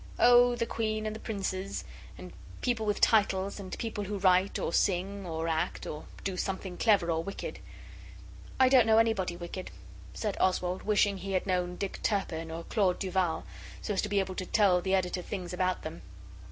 'Oh, the Queen and the Princes, and people with titles, and people who write, or sing, or act or do something clever or wicked.' 'I don't know anybody wicked,' said Oswald, wishing he had known Dick Turpin, or Claude Duval, so as to be able to tell the Editor things about them.